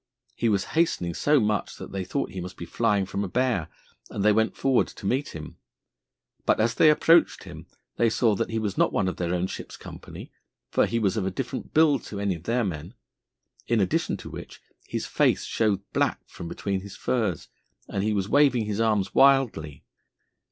He was hastening so much that they thought he must be flying from a bear, and they went forward to meet him. But as they approached him, they saw that he was not one of their own ship's company, for he was of a different build to any of their men, in addition to which his face showed black from between his furs, and he was waving his arms wildly.